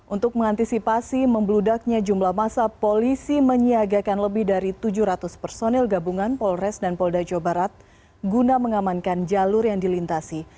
untuk mengantisipasi membludaknya jumlah masa polisi menyiagakan lebih dari tujuh ratus personil gabungan polres dan polda jawa barat guna mengamankan jalur yang dilintasi